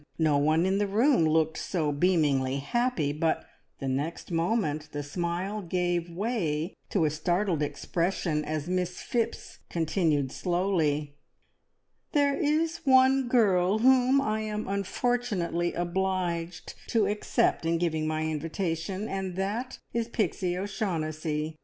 No one in the room looked so beamingly happy, but the next moment the smile gave way to a startled expression, as Miss Phipps continued slowly "There is one girl whom I am unfortunately obliged to except in giving my invitation, and that is Pixie O'Shaughnessy.